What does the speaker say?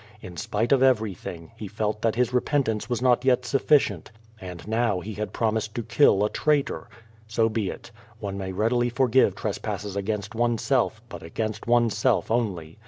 In spite of everything, he felt that his repentance was not yet sufficient. And now he had promised to kill a traitor! So be it. One may readily forgive trespasses against oneself, but against oneself only.